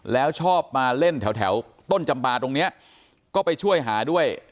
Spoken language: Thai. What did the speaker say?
แล้วชอบมาเล่นแถวต้นจำปาตรงนี้ก็ไปช่วยหาด้วย